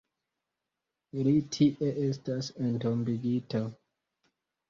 Li tie estas entombigita.